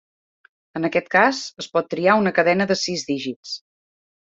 En aquest cas, es pot triar una cadena de sis dígits.